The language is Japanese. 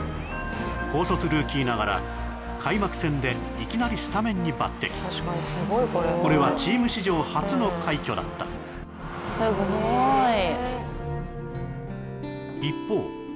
高卒ルーキーながら開幕戦でいきなりスタメンに抜てきこれはチーム史上初の快挙だった・すごいへえ一方